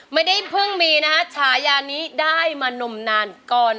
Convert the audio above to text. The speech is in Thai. ไม่ได้เพิ่งมีนะฮะฉายานี้ได้มานมนานก่อน